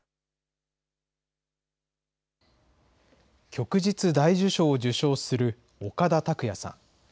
旭日大綬章を受章する岡田卓也さん。